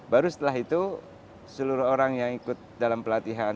baru setelah itu seluruh orang yang ikut dalam pelatihan